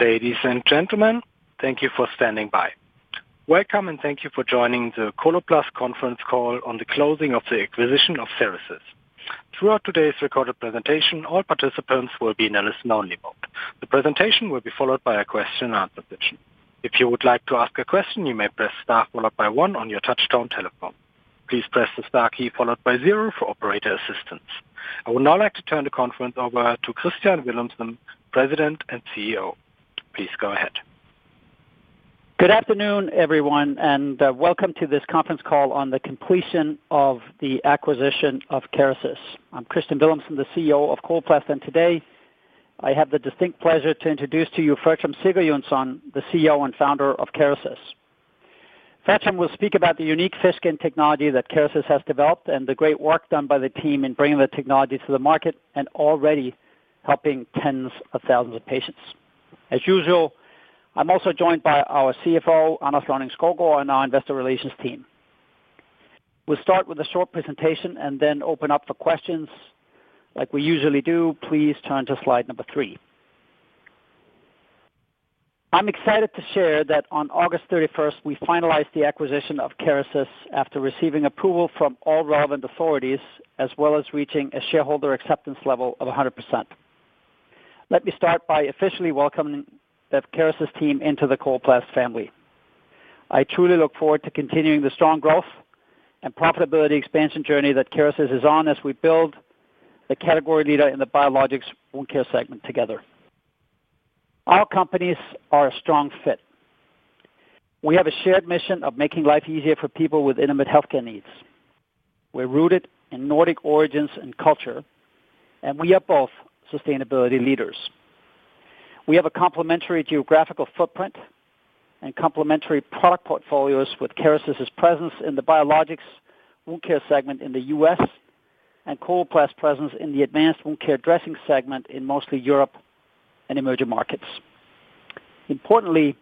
Ladies and gentlemen, thank you for standing by. Welcome, and thank you for joining the Coloplast conference call on the closing of the acquisition of Kerecis. Throughout today's recorded presentation, all participants will be in a listen-only mode. The presentation will be followed by a question and answer session. If you would like to ask a question, you may press star followed by one on your touchtone telephone. Please press the star key followed by zero for operator assistance. I would now like to turn the conference over to Kristian Villumsen, President and CEO. Please go ahead. Good afternoon, everyone, and welcome to this conference call on the completion of the acquisition of Kerecis. I'm Kristian Villumsen, the CEO of Coloplast, and today, I have the distinct pleasure to introduce to you, Fertram Sigurjonsson, the CEO and founder of Kerecis. Fertram will speak about the unique fish skin technology that Kerecis has developed and the great work done by the team in bringing the technology to the market and already helping tens of thousands of patients. As usual, I'm also joined by our CFO, Anders Lønning-Skovgaard, and our investor relations team. We'll start with a short presentation and then open up for questions like we usually do. Please turn to slide number three. I'm excited to share that on August 31st, we finalized the acquisition of Kerecis after receiving approval from all relevant authorities, as well as reaching a shareholder acceptance level of 100%. Let me start by officially welcoming the Kerecis team into the Coloplast family. I truly look forward to continuing the strong growth and profitability expansion journey that Kerecis is on as we build the category leader in the biologics wound care segment together. Our companies are a strong fit. We have a shared mission of making life easier for people with intimate healthcare needs. We're rooted in Nordic origins and culture, and we are both sustainability leaders. We have a complementary geographical footprint and complementary product portfolios with Kerecis's presence in the biologics wound care segment in the U.S., and Coloplast presence in the advanced wound care dressing segment in mostly Europe and emerging markets. Importantly,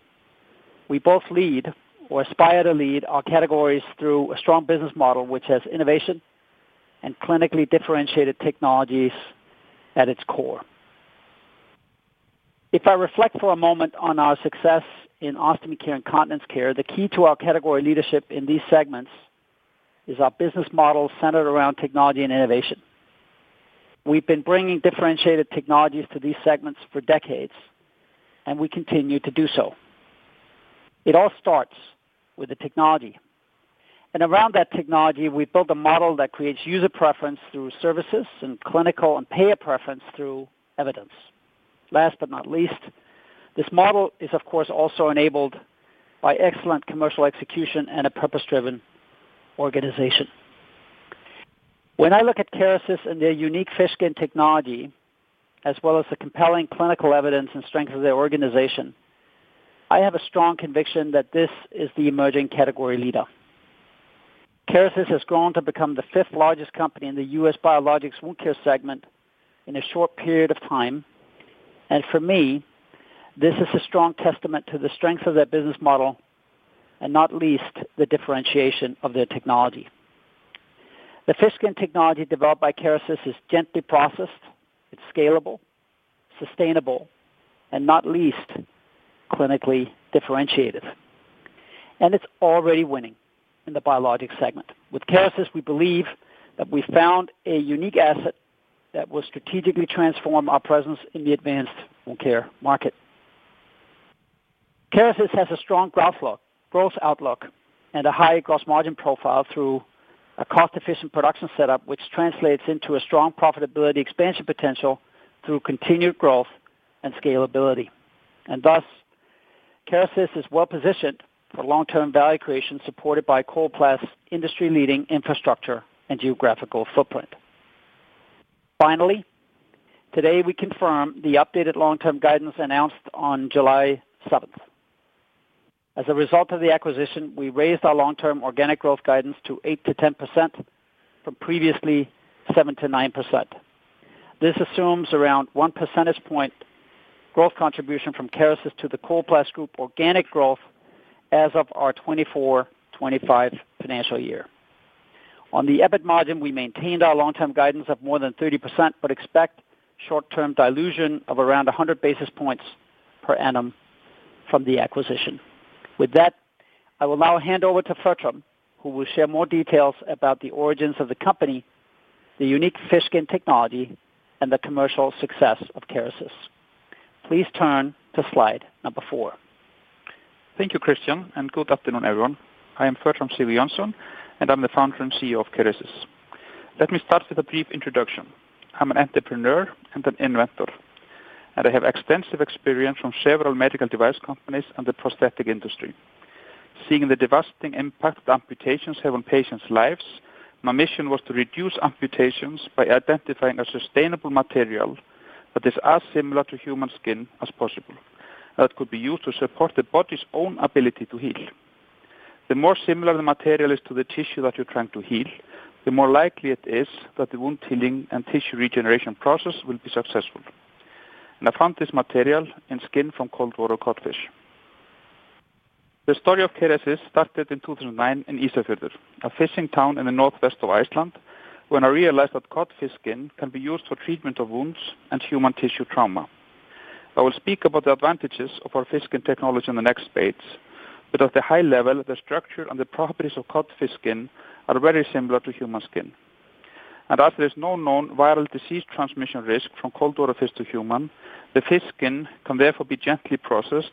we both lead or aspire to lead our categories through a strong business model, which has innovation and clinically differentiated technologies at its core. If I reflect for a moment on our success in ostomy care and continence care, the key to our category leadership in these segments is our business model centered around technology and innovation. We've been bringing differentiated technologies to these segments for decades, and we continue to do so. It all starts with the technology, and around that technology, we built a model that creates user preference through services and clinical and payer preference through evidence. Last but not least, this model is, of course, also enabled by excellent commercial execution and a purpose-driven organization. When I look at Kerecis and their unique fish skin technology, as well as the compelling clinical evidence and strength of their organization, I have a strong conviction that this is the emerging category leader. Kerecis has grown to become the fifth largest company in the U.S. biologics wound care segment in a short period of time, and for me, this is a strong testament to the strength of their business model, and not least, the differentiation of their technology. The fish skin technology developed by Kerecis is gently processed, it's scalable, sustainable, and not least clinically differentiated, and it's already winning in the biologics segment. With Kerecis, we believe that we found a unique asset that will strategically transform our presence in the advanced wound care market. Kerecis has a strong growth outlook and a high gross margin profile through a cost-efficient production setup, which translates into a strong profitability expansion potential through continued growth and scalability. And thus, Kerecis is well positioned for long-term value creation, supported by Coloplast's industry-leading infrastructure and geographical footprint. Finally, today, we confirm the updated long-term guidance announced on July seventh. As a result of the acquisition, we raised our long-term organic growth guidance to 8%-10% from previously 7%-9%. This assumes around one percentage point growth contribution from Kerecis to the Coloplast Group organic growth as of our 2024, 2025 financial year. On the EBIT margin, we maintained our long-term guidance of more than 30%, but expect short-term dilution of around 100 basis points per annum from the acquisition. With that, I will now hand over to Fertram, who will share more details about the origins of the company, the unique fish skin technology, and the commercial success of Kerecis. Please turn to slide number four. Thank you, Kristian, and good afternoon, everyone. I am Fertram Sigurjonsson, and I'm the founder and CEO of Kerecis. Let me start with a brief introduction. I'm an entrepreneur and an inventor, and I have extensive experience from several medical device companies and the prosthetic industry. Seeing the devastating impact amputations have on patients' lives, my mission was to reduce amputations by identifying a sustainable material that is as similar to human skin as possible, that could be used to support the body's own ability to heal. The more similar the material is to the tissue that you're trying to heal, the more likely it is that the wound healing and tissue regeneration process will be successful. I found this material in skin from cold water cod fish. The story of Kerecis started in 2009 in Ísafjörður, a fishing town in the northwest of Iceland, when I realized that cod fish skin can be used for treatment of wounds and human tissue trauma. I will speak about the advantages of our fish skin technology in the next page, but at the high level, the structure and the properties of cod fish skin are very similar to human skin. As there is no known viral disease transmission risk from cold water fish to human, the fish skin can therefore be gently processed,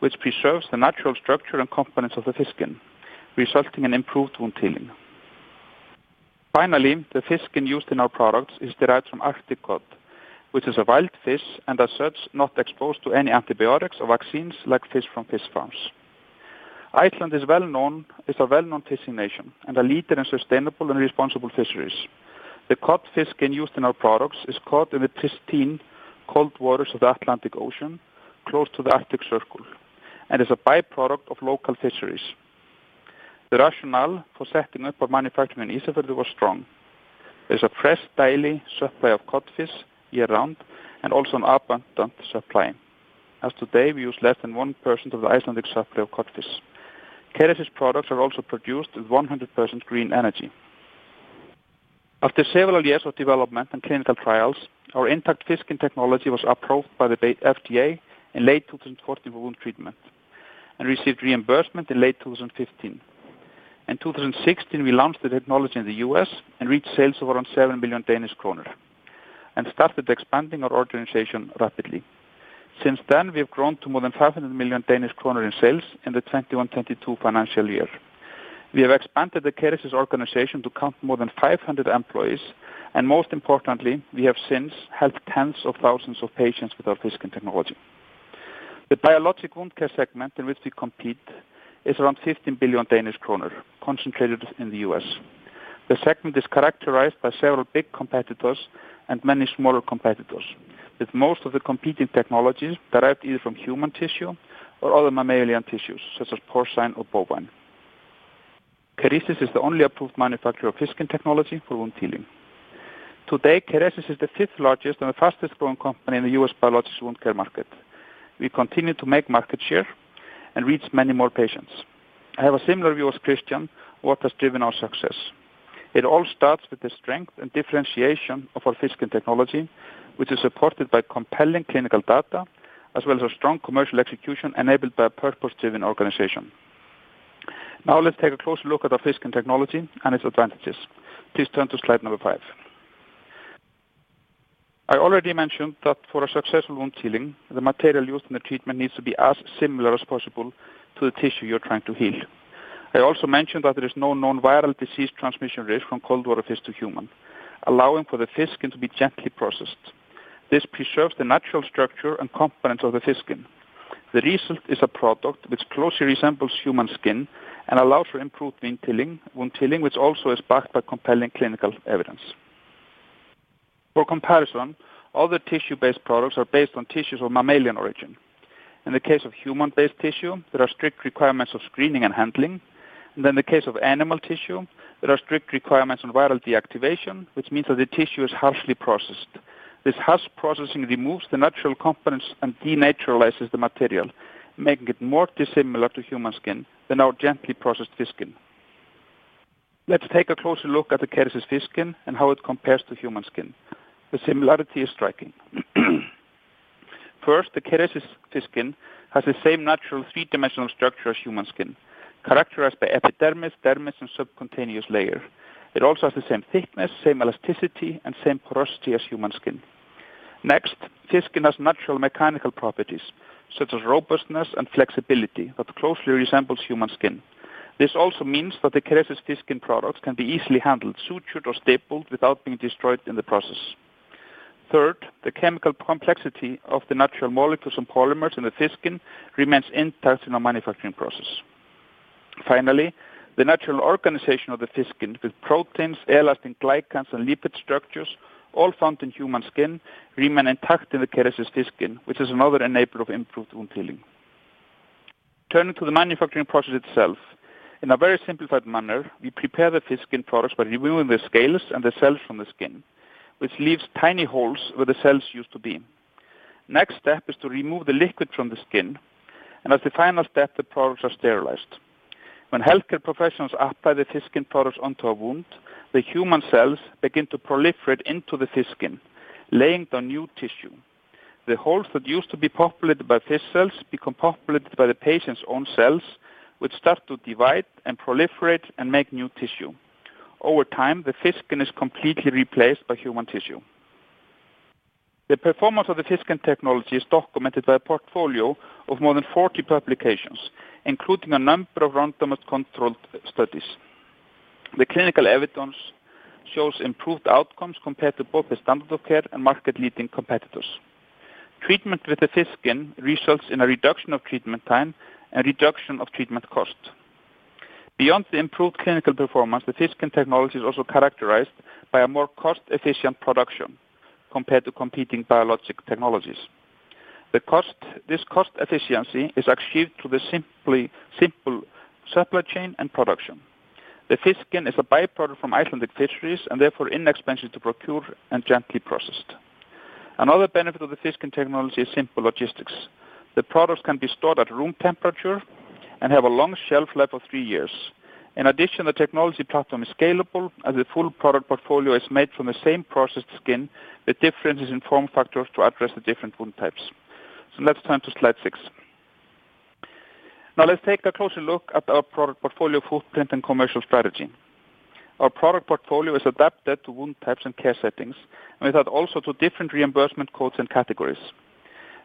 which preserves the natural structure and components of the fish skin, resulting in improved wound healing. Finally, the fish skin used in our products is derived from Arctic cod, which is a wild fish and as such, not exposed to any antibiotics or vaccines like fish from fish farms. Iceland is a well-known fishing nation and a leader in sustainable and responsible fisheries. The cod fish skin used in our products is caught in the pristine cold waters of the Atlantic Ocean, close to the Arctic Circle, and is a by-product of local fisheries. The rationale for setting up our manufacturing in Ísafjörður was strong. There's a fresh daily supply of cod fish year round, and also an abundant supply. As today, we use less than 1% of the Icelandic supply of cod fish. Kerecis products are also produced with 100% green energy. After several years of development and clinical trials, our intact fish skin technology was approved by the FDA in late 2014 for wound treatment and received reimbursement in late 2015. In 2016, we launched the technology in the U.S. and reached sales of around 7 million Danish kroner, and started expanding our organization rapidly. Since then, we have grown to more than 500 million Danish kroner in sales in the 2021-2022 financial year. We have expanded the Kerecis organization to count more than 500 employees, and most importantly, we have since helped tens of thousands of patients with our fish skin technology. The biologic wound care segment in which we compete is around 15 billion Danish kroner, concentrated in the U.S. The segment is characterized by several big competitors and many smaller competitors, with most of the competing technologies derived either from human tissue or other mammalian tissues, such as porcine or bovine. Kerecis is the only approved manufacturer of fish skin technology for wound healing. Today, Kerecis is the fifth largest and the fastest growing company in the U.S. biologic wound care market. We continue to make market share and reach many more patients. I have a similar view as Kristian, what has driven our success. It all starts with the strength and differentiation of our fish skin technology, which is supported by compelling clinical data, as well as a strong commercial execution enabled by a purpose-driven organization. Now, let's take a closer look at our fish skin technology and its advantages. Please turn to slide number five. I already mentioned that for a successful wound healing, the material used in the treatment needs to be as similar as possible to the tissue you are trying to heal. I also mentioned that there is no known viral disease transmission risk from cold water fish to human, allowing for the fish skin to be gently processed. This preserves the natural structure and components of the fish skin. The result is a product which closely resembles human skin and allows for improved wound filling, wound healing, which also is backed by compelling clinical evidence. For comparison, all the tissue-based products are based on tissues of mammalian origin. In the case of human-based tissue, there are strict requirements of screening and handling, and in the case of animal tissue, there are strict requirements on viral deactivation, which means that the tissue is harshly processed. This harsh processing removes the natural components and denaturalizes the material, making it more dissimilar to human skin than our gently processed fish skin. Let's take a closer look at the Kerecis fish skin and how it compares to human skin. The similarity is striking. First, the Kerecis fish skin has the same natural three-dimensional structure as human skin, characterized by epidermis, dermis, and subcutaneous layer. It also has the same thickness, same elasticity, and same porosity as human skin. Next, fish skin has natural mechanical properties, such as robustness and flexibility that closely resembles human skin. This also means that the Kerecis fish skin products can be easily handled, sutured, or stapled without being destroyed in the process. Third, the chemical complexity of the natural molecules and polymers in the fish skin remains intact in our manufacturing process. Finally, the natural organization of the fish skin with proteins, elastin, glycans, and lipid structures, all found in human skin, remain intact in the Kerecis fish skin, which is another enabler of improved wound healing. Turning to the manufacturing process itself. In a very simplified manner, we prepare the fish skin products by removing the scales and the cells from the skin, which leaves tiny holes where the cells used to be. Next step is to remove the liquid from the skin, and as the final step, the products are sterilized. When healthcare professionals apply the fish skin products onto a wound, the human cells begin to proliferate into the fish skin, laying down new tissue. The holes that used to be populated by fish cells become populated by the patient's own cells, which start to divide and proliferate and make new tissue. Over time, the fish skin is completely replaced by human tissue. The performance of the fish skin technology is documented by a portfolio of more than 40 publications, including a number of randomized controlled studies. The clinical evidence shows improved outcomes compared to both the standard of care and market-leading competitors. Treatment with the fish skin results in a reduction of treatment time and reduction of treatment cost. Beyond the improved clinical performance, the fish skin technology is also characterized by a more cost-efficient production compared to competing biologic technologies. This cost efficiency is achieved through the simple supply chain and production. The fish skin is a by-product from Icelandic fisheries and therefore inexpensive to procure and gently processed. Another benefit of the fish skin technology is simple logistics. The products can be stored at room temperature and have a long shelf life of 3 years. In addition, the technology platform is scalable, and the full product portfolio is made from the same processed skin. The difference is in form factors to address the different wound types. So let's turn to slide six. Now let's take a closer look at our product portfolio, footprint, and commercial strategy. Our product portfolio is adapted to wound types and care settings, and it adds also to different reimbursement codes and categories.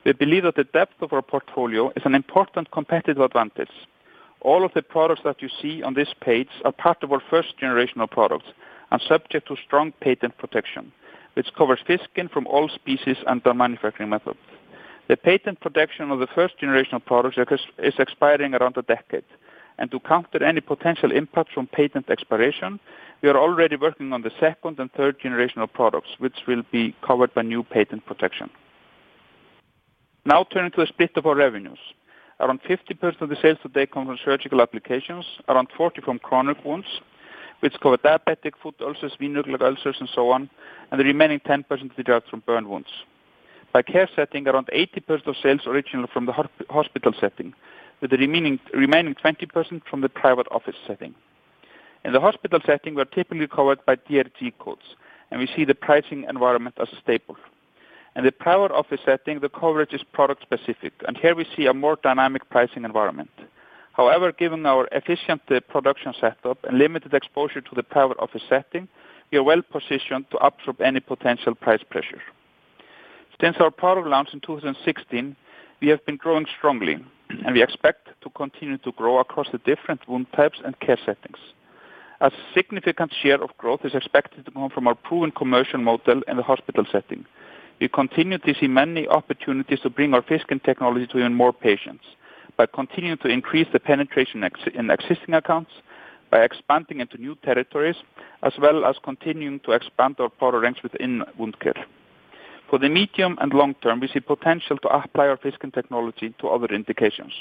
We believe that the depth of our portfolio is an important competitive advantage. All of the products that you see on this page are part of our first-generation products and subject to strong patent protection, which covers fish skin from all species and their manufacturing methods. The patent protection of the first-generation products is expiring around the decade, and to counter any potential impact from patent expiration, we are already working on the second and third generational products, which will be covered by new patent protection. Now turning to a split of our revenues. Around 50% of the sales today come from surgical applications, around 40% from chronic wounds, which cover diabetic foot ulcers, venous leg ulcers, and so on, and the remaining 10% we get from burn wounds. By care setting, around 80% of sales originate from the hospital setting, with the remaining 20% from the private office setting. In the hospital setting, we are typically covered by DRG codes, and we see the pricing environment as stable. In the private office setting, the coverage is product-specific, and here we see a more dynamic pricing environment. However, given our efficient production setup and limited exposure to the private office setting, we are well positioned to absorb any potential price pressure. Since our product launch in 2016, we have been growing strongly, and we expect to continue to grow across the different wound types and care settings. A significant share of growth is expected to come from our proven commercial model in the hospital setting. We continue to see many opportunities to bring our Fish Skin technology to even more patients by continuing to increase the penetration in existing accounts, by expanding into new territories, as well as continuing to expand our product range within wound care. For the medium and long term, we see potential to apply our Fish Skin technology to other indications.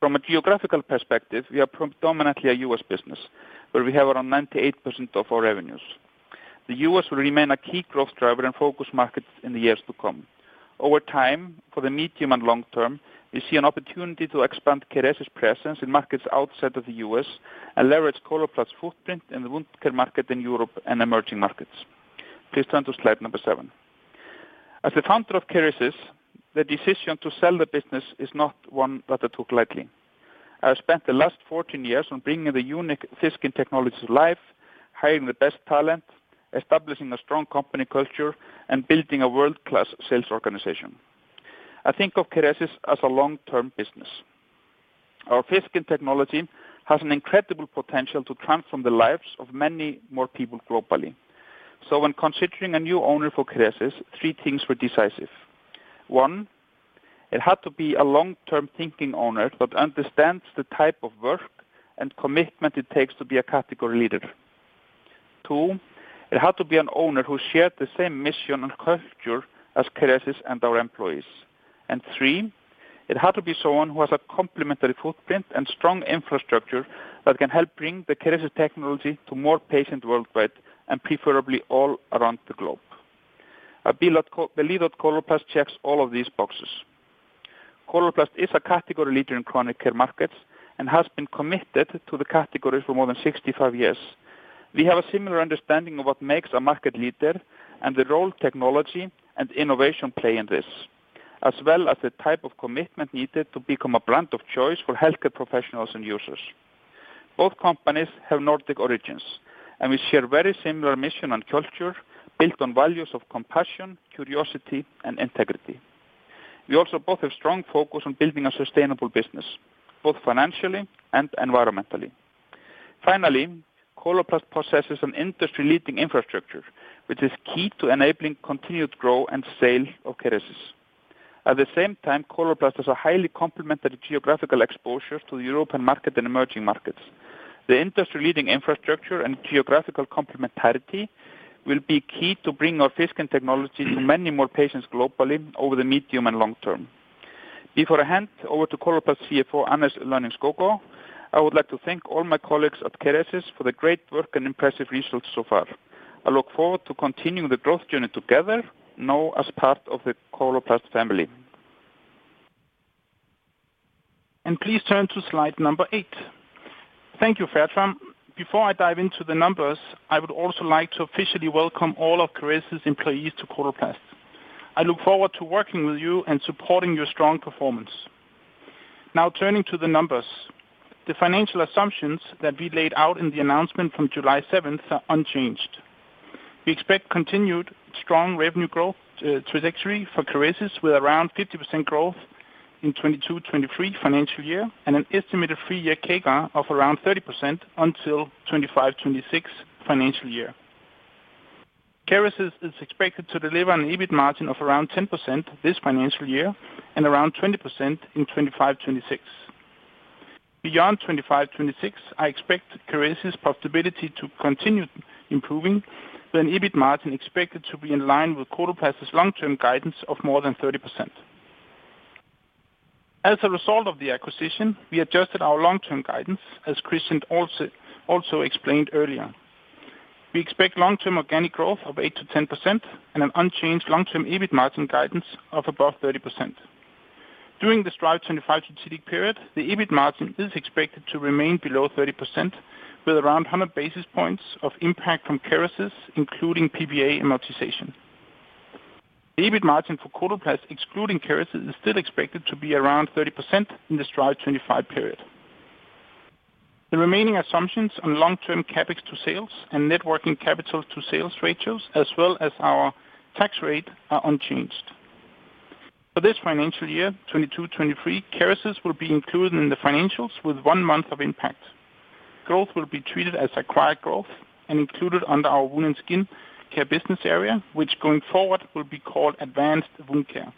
From a geographical perspective, we are predominantly a U.S. business, where we have around 98% of our revenues. The U.S. will remain a key growth driver and focus market in the years to come. Over time, for the medium and long term, we see an opportunity to expand Kerecis' presence in markets outside of the U.S. and leverage Coloplast's footprint in the wound care market in Europe and emerging markets. Please turn to slide number seven. As the founder of Kerecis, the decision to sell the business is not one that I took lightly. I spent the last 14 years on bringing the unique Fish Skin technology to life, hiring the best talent, establishing a strong company culture, and building a world-class sales organization. I think of Kerecis as a long-term business. Our Fish Skin technology has an incredible potential to transform the lives of many more people globally. So when considering a new owner for Kerecis, three things were decisive. One, it had to be a long-term thinking owner that understands the type of work and commitment it takes to be a category leader. Two, it had to be an owner who shared the same mission and culture as Kerecis and our employees. And three, it had to be someone who has a complementary footprint and strong infrastructure that can help bring the Kerecis technology to more patients worldwide and preferably all around the globe. I believe that Coloplast checks all of these boxes. Coloplast is a category leader in chronic care markets and has been committed to the category for more than 65 years. We have a similar understanding of what makes a market leader and the role technology and innovation play in this, as well as the type of commitment needed to become a brand of choice for healthcare professionals and users. Both companies have Nordic origins, and we share very similar mission and culture built on values of compassion, curiosity, and integrity. We also both have strong focus on building a sustainable business, both financially and environmentally. Finally, Coloplast possesses an industry-leading infrastructure, which is key to enabling continued growth and sale of Kerecis. At the same time, Coloplast has a highly complementary geographical exposure to the European market and emerging markets. The industry-leading infrastructure and geographical complementarity will be key to bringing our Fish Skin technology to many more patients globally over the medium and long term. Before I hand over to Coloplast CFO, Anders Lønning-Skovgaard, I would like to thank all my colleagues at Kerecis for the great work and impressive results so far. I look forward to continuing the growth journey together, now as part of the Coloplast family. Please turn to slide number eight. Thank you, Fertram. Before I dive into the numbers, I would also like to officially welcome all of Kerecis employees to Coloplast. I look forward to working with you and supporting your strong performance. Now, turning to the numbers. The financial assumptions that we laid out in the announcement from July 7 are unchanged. We expect continued strong revenue growth trajectory for Kerecis, with around 50% growth in 2022/2023 financial year, and an estimated three-year CAGR of around 30% until 2025/2026 financial year. Kerecis is expected to deliver an EBIT margin of around 10% this financial year and around 20% in 2025/2026. Beyond 2025/2026, I expect Kerecis' profitability to continue improving, with an EBIT margin expected to be in line with Coloplast's long-term guidance of more than 30%. As a result of the acquisition, we adjusted our long-term guidance, as Kristian also explained earlier. We expect long-term organic growth of 8%-10% and an unchanged long-term EBIT margin guidance of above 30%. During the Strive25 strategic period, the EBIT margin is expected to remain below 30%, with around 100 basis points of impact from Kerecis, including PPA amortization. The EBIT margin for Coloplast, excluding Kerecis, is still expected to be around 30% in the Strive25 period. The remaining assumptions on long-term CapEx to sales and net working capital to sales ratios, as well as our tax rate, are unchanged. For this financial year, 2022-2023, Kerecis will be included in the financials with one month of impact. Growth will be treated as acquired growth and included under our wound and skin care business area, which going forward, will be called Advanced Wound Care.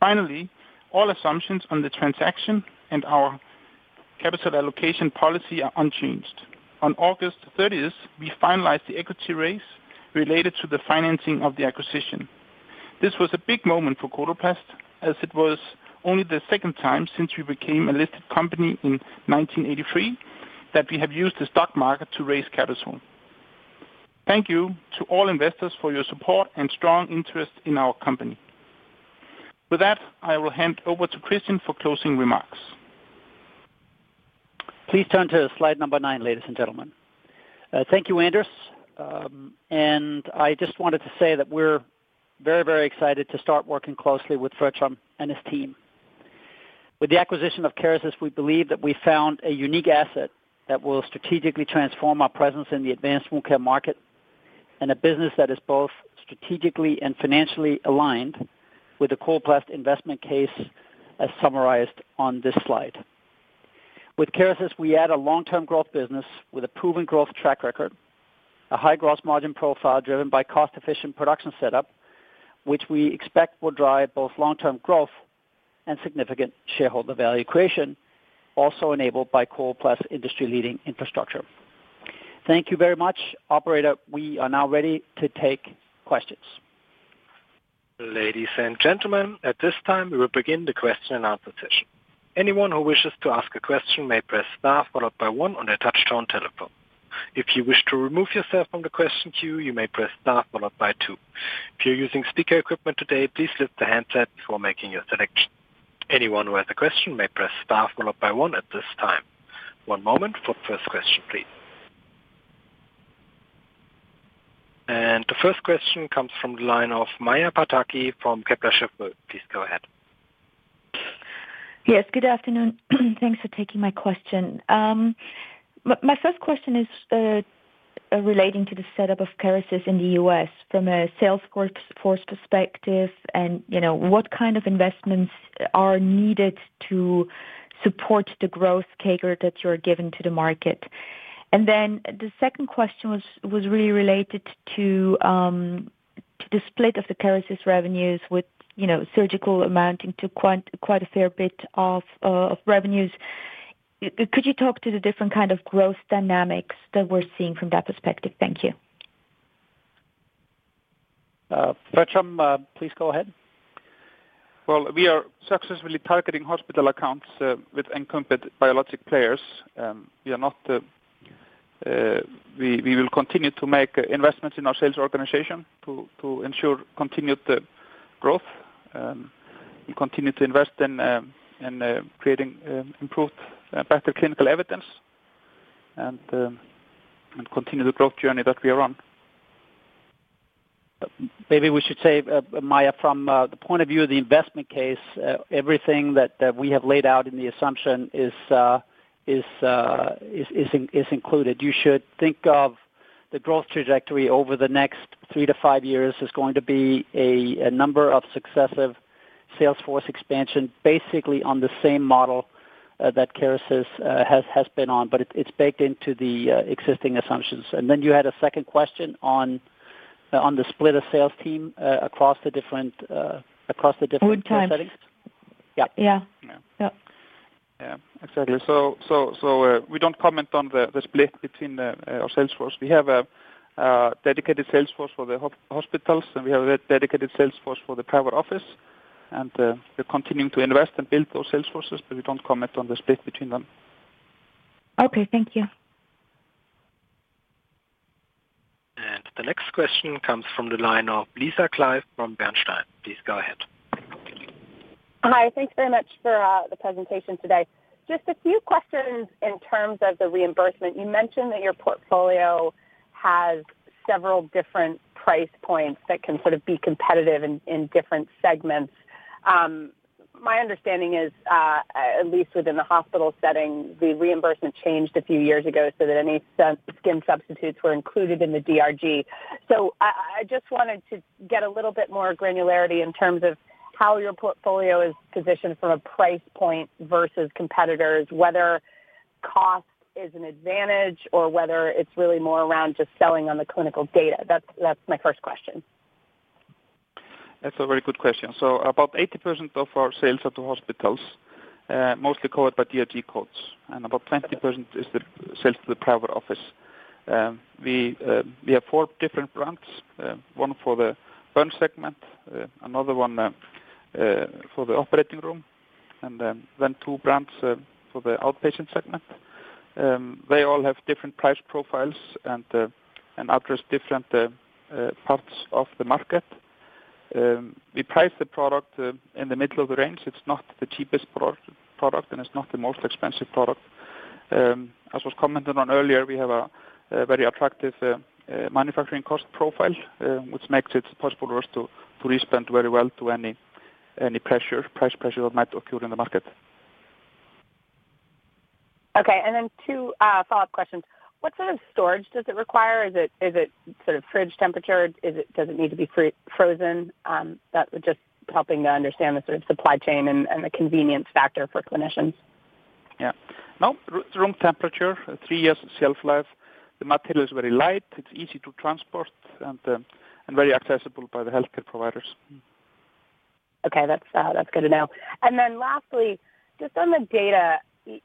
Finally, all assumptions on the transaction and our capital allocation policy are unchanged. On August 30, we finalized the equity raise related to the financing of the acquisition. This was a big moment for Coloplast, as it was only the second time since we became a listed company in 1983, that we have used the stock market to raise capital. Thank you to all investors for your support and strong interest in our company. With that, I will hand over to Kristian for closing remarks. Please turn to slide number nine, ladies and gentlemen. Thank you, Anders. I just wanted to say that we're very, very excited to start working closely with Fertram and his team. With the acquisition of Kerecis, we believe that we found a unique asset that will strategically transform our presence in the advanced wound care market, and a business that is both strategically and financially aligned with the Coloplast investment case, as summarized on this slide. With Kerecis, we add a long-term growth business with a proven growth track record, a high gross margin profile driven by cost-efficient production setup, which we expect will drive both long-term growth and significant shareholder value creation, also enabled by Coloplast's industry-leading infrastructure. Thank you very much. Operator, we are now ready to take questions. Ladies and gentlemen, at this time, we will begin the question and answer session. Anyone who wishes to ask a question may press star followed by one on their touch-tone telephone. If you wish to remove yourself from the question queue, you may press star followed by two. If you're using speaker equipment today, please lift the handset before making your selection. Anyone who has a question may press star followed by one at this time. One moment for the first question, please. The first question comes from the line of Maja Pataki from Kepler Cheuvreux. Please go ahead. Yes, good afternoon. Thanks for taking my question. My first question is relating to the setup of Kerecis in the U.S., from a sales force perspective, and, you know, what kind of investments are needed to support the growth CAGR that you're giving to the market? And then the second question was really related to the split of the Kerecis revenues with, you know, surgical amounting to quite a fair bit of revenues. Could you talk to the different kind of growth dynamics that we're seeing from that perspective? Thank you. Fertram, please go ahead. Well, we are successfully targeting hospital accounts with incumbent biologic players. We will continue to make investments in our sales organization to ensure continued growth. We continue to invest in creating improved better clinical evidence, and continue the growth journey that we are on. Maybe we should say, Maja, from the point of view of the investment case, everything that we have laid out in the assumption is included. You should think of the growth trajectory over the next three to five years is going to be a number of successive sales force expansion, basically on the same model that Kerecis has been on, but it's baked into the existing assumptions. And then you had a second question on the split of sales team across the different across the different- Wound care -settings? Yeah. Yeah. Yeah. Yep. Yeah, exactly. So, we don't comment on the split between our sales force. We have a dedicated sales force for the hospitals, and we have a dedicated sales force for the private office, and we're continuing to invest and build those sales forces, but we don't comment on the split between them. Okay. Thank you. The next question comes from the line of Lisa Clive from Bernstein. Please go ahead. Hi, thanks very much for the presentation today. Just a few questions in terms of the reimbursement. You mentioned that your portfolio has several different price points that can sort of be competitive in different segments. My understanding is, at least within the hospital setting, the reimbursement changed a few years ago so that any skin substitutes were included in the DRG. I just wanted to get a little bit more granularity in terms of how your portfolio is positioned from a price point versus competitors, whether cost is an advantage or whether it's really more around just selling on the clinical data. That's my first question. That's a very good question. So about 80% of our sales at the hospitals mostly covered by DRG codes, and about 20% is the sales to the private office. We have four different brands, one for the burn segment, another one for the operating room, and then two brands for the outpatient segment. They all have different price profiles and address different parts of the market. We price the product in the middle of the range. It's not the cheapest product, and it's not the most expensive product. As was commented on earlier, we have a very attractive manufacturing cost profile, which makes it possible for us to respond very well to any price pressure that might occur in the market. Okay. And then two follow-up questions. What sort of storage does it require? Is it sort of fridge temperature? Does it need to be frozen? That would just helping to understand the sort of supply chain and the convenience factor for clinicians. Yeah. No, room temperature, three years shelf life. The material is very light, it's easy to transport, and, and very accessible by the healthcare providers. Okay, that's good to know. And then lastly, just on the data,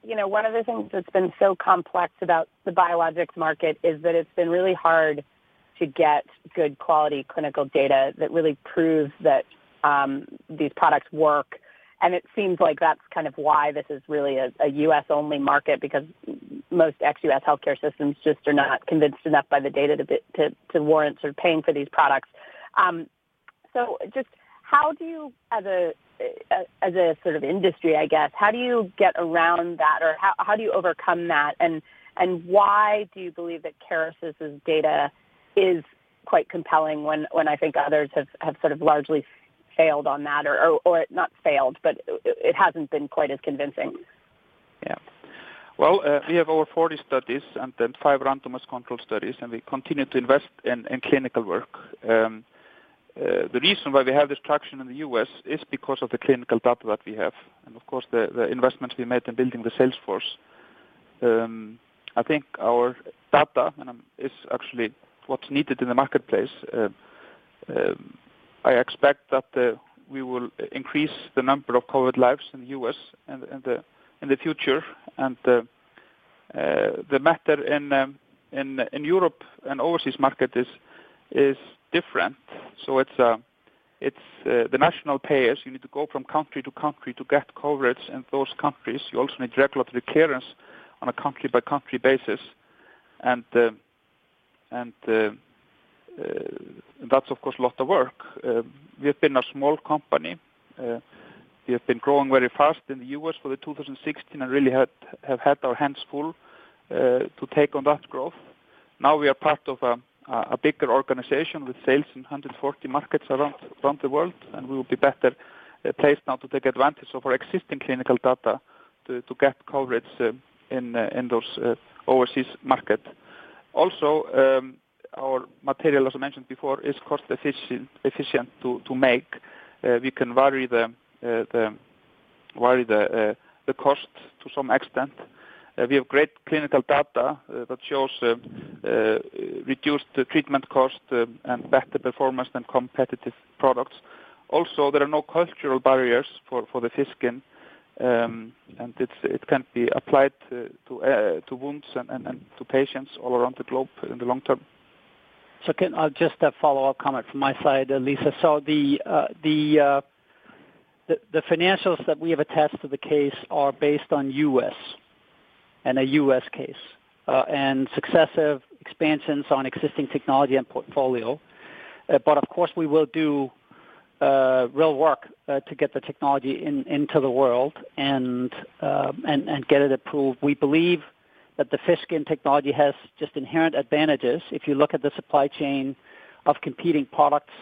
you know, one of the things that's been so complex about the biologics market is that it's been really hard to get good quality clinical data that really proves that these products work. And it seems like that's kind of why this is really a U.S. only market, because most ex-U.S. healthcare systems just are not convinced enough by the data to warrant sort of paying for these products. So just how do you, as a sort of industry, I guess, how do you get around that? Or how do you overcome that? And why do you believe that Kerecis' data is quite compelling when I think others have sort of largely failed on that, or not failed, but it hasn't been quite as convincing? Yeah. Well, we have over 40 studies and then 5 randomized control studies, and we continue to invest in clinical work. The reason why we have this traction in the U.S. is because of the clinical data that we have, and of course, the investments we made in building the sales force. I think our data is actually what's needed in the marketplace. I expect that we will increase the number of covered lives in the U.S. and in the future. The matter in Europe and overseas market is different. So it's the national payers. You need to go from country to country to get coverage in those countries. You also need regulatory clearance on a country-by-country basis. And that's, of course, a lot of work. We have been a small company. We have been growing very fast in the U.S. for 2016 and really have had our hands full to take on that growth. Now, we are part of a bigger organization with sales in 140 markets around the world, and we will be better placed now to take advantage of our existing clinical data to get coverage in those overseas markets. Also, our material, as I mentioned before, is cost efficient to make. We can vary the cost to some extent. We have great clinical data that shows reduced treatment cost and better performance than competitive products. Also, there are no cultural barriers for the fish skin, and it can be applied to wounds and to patients all around the globe in the long term. So just a follow-up comment from my side, Lisa. So the financials that we have attached to the case are based on U.S., and a U.S. case, and successive expansions on existing technology and portfolio. But of course, we will do real work to get the technology into the world and get it approved. We believe that the Fish Skin technology has just inherent advantages. If you look at the supply chain of competing products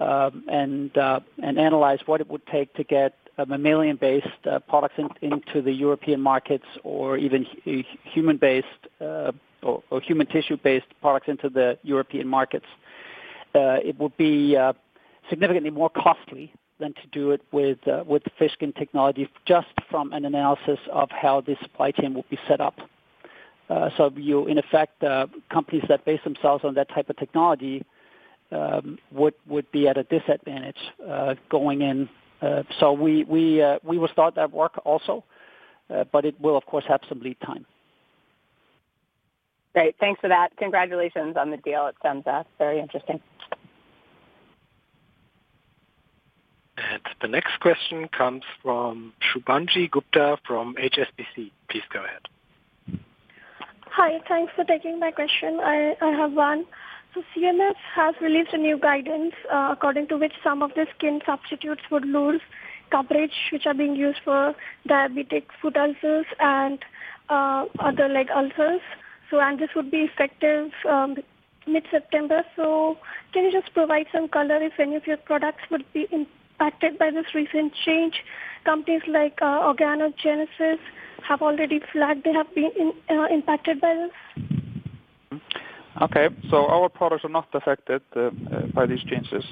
and analyze what it would take to get a mammalian-based products into the European markets, or even human-based or human tissue-based products into the European markets, it would be significantly more costly than to do it with the Fish Skin technology, just from an analysis of how the supply chain will be set up. So you in effect companies that base themselves on that type of technology would be at a disadvantage going in. So we will start that work also, but it will, of course, have some lead time. Great. Thanks for that. Congratulations on the deal. It sounds very interesting. The next question comes from Shubhangi Gupta from HSBC. Please go ahead. Hi. Thanks for taking my question. I have one. So CMS has released a new guidance, according to which some of the skin substitutes would lose coverage, which are being used for diabetic foot ulcers and other leg ulcers. So, and this would be effective mid-September. So can you just provide some color if any of your products would be impacted by this recent change? Companies like Organogenesis have already flagged they have been impacted by this. Okay, so our products are not affected by these changes.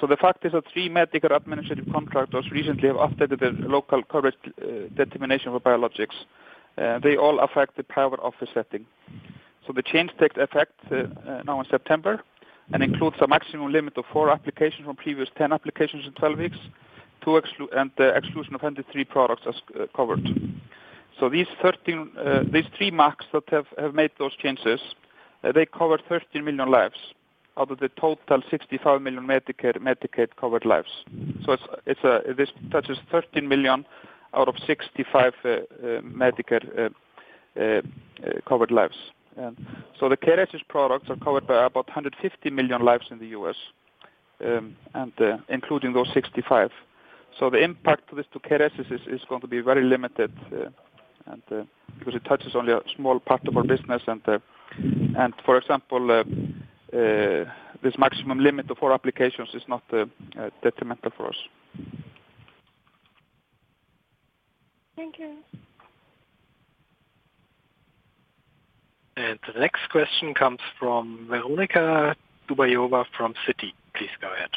So the fact is that three Medicare Administrative Contractors recently have updated the Local Coverage Determination for biologics, and they all affect the private office setting. So the change takes effect now in September, and includes a maximum limit of four applications from previous 10 applications in 12 weeks, and the exclusion of 103 products as covered. So these three MACs that have made those changes, they cover 13 million lives out of the total 65 million Medicare, Medicaid-covered lives. So it's this touches 13 million out of 65 Medicare covered lives. So the Kerecis products are covered by about 150 million lives in the U.S., and including those 65. So the impact to this, to Kerecis is going to be very limited, and for example, this maximum limit of four applications is not detrimental for us. Thank you. The next question comes from Veronika Dubajova from Citi. Please go ahead.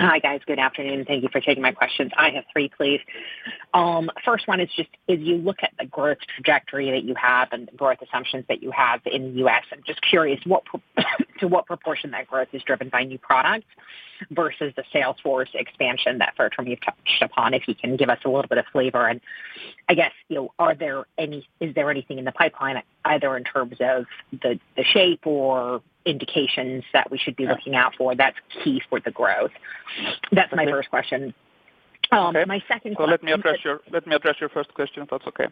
Hi, guys. Good afternoon, and thank you for taking my questions. I have three, please. First one is just as you look at the growth trajectory that you have and growth assumptions that you have in the U.S., I'm just curious, what proportion that growth is driven by new products versus the sales force expansion that for a term you've touched upon? If you can give us a little bit of flavor. And I guess, you know, are there any, is there anything in the pipeline, either in terms of the shape or indications that we should be looking out for that's key for the growth? That's my first question. My second question- Let me address your first question, if that's okay.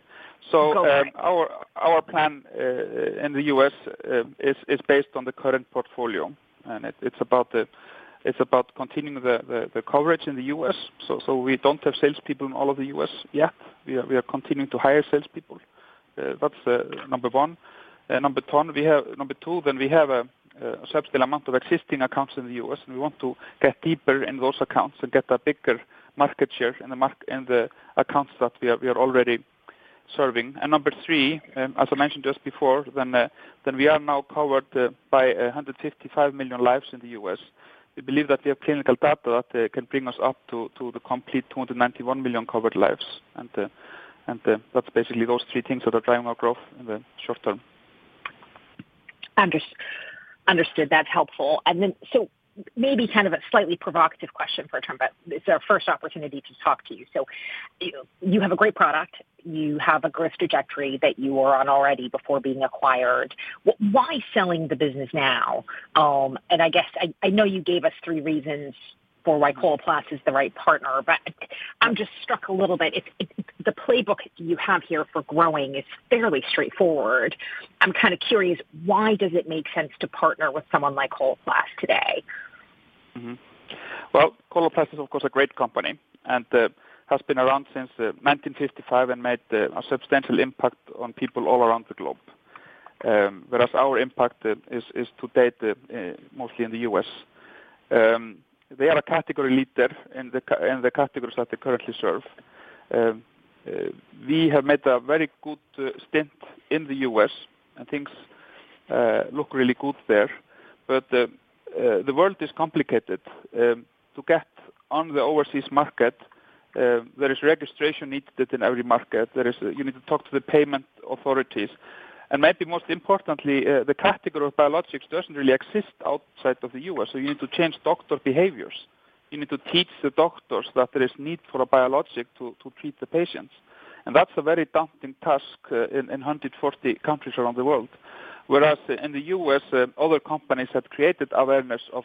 Go for it. So, our plan in the U.S. is based on the current portfolio, and it's about continuing the coverage in the U.S. So, we don't have sales people in all of the U.S. yet. We are continuing to hire sales people. That's number one. Number two, we have a substantial amount of existing accounts in the U.S., and we want to get deeper in those accounts and get a bigger market share in the accounts that we are already serving. And number three, as I mentioned just before, we are now covered by 155 million lives in the U.S. We believe that we have clinical data that can bring us up to the complete 291 million covered lives. And that's basically those three things that are driving our growth in the short term. Understood. That's helpful. And then, so maybe kind of a slightly provocative question for a term, but it's our first opportunity to talk to you. So you, you have a great product, you have a growth trajectory that you were on already before being acquired. Why selling the business now? And I guess I know you gave us three reasons for why Coloplast is the right partner, but I'm just struck a little bit. It's the playbook you have here for growing is fairly straightforward. I'm kind of curious, why does it make sense to partner with someone like Coloplast today? Well, Coloplast is, of course, a great company, and has been around since 1955 and made a substantial impact on people all around the globe. Whereas our impact is to date mostly in the U.S. They are a category leader in the categories that they currently serve. We have made a very good stint in the U.S., and things look really good there. But the world is complicated. To get on the overseas market, there is registration needed in every market. You need to talk to the payment authorities. And maybe most importantly, the category of biologics doesn't really exist outside of the U.S., so you need to change doctor behaviors. You need to teach the doctors that there is need for a biologic to treat the patients, and that's a very daunting task in 140 countries around the world. Whereas in the U.S., other companies have created awareness of